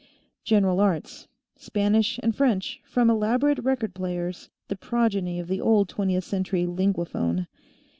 General Arts Spanish and French, from elaborate record players, the progeny of the old Twentieth Century Linguaphone.